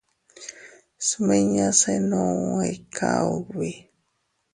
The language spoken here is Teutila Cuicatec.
Smiñase nuu ika ubi.